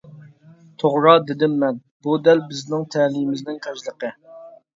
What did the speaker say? -توغرا، -دېدىم مەن، -بۇ دەل بىزنىڭ تەلىيىمىزنىڭ كاجلىقى.